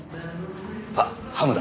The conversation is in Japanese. あハムだ。